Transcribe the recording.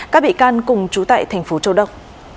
các bị can cùng trú tại tp châu đốc